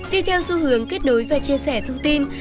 đi theo xu hướng kết nối và chia sẻ thông tin